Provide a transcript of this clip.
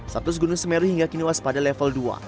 status gunung semeru hingga kini waspada level dua